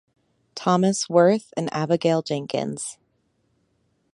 Thomas Worth and Abigail Jenkins.